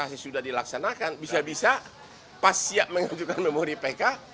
kalau sudah dilaksanakan bisa bisa pas siap mengajukan memori pk